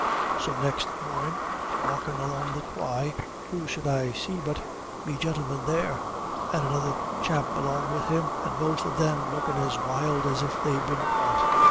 "So next mornin', walkin' along the Quay, who should I see but me gintleman there, and another chap along with him, and both of them lookin' as wild as if they'd been caught.